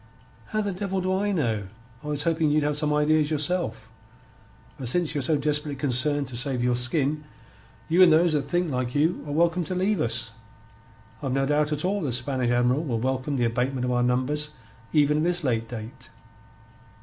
"How the devil do I know? I was hoping you'd have some ideas yourself. But since Ye're so desperately concerned to save your skin, you and those that think like you are welcome to leave us. I've no doubt at all the Spanish Admiral will welcome the abatement of our numbers even at this late date.